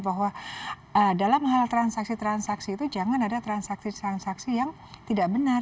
bahwa dalam hal transaksi transaksi itu jangan ada transaksi transaksi yang tidak benar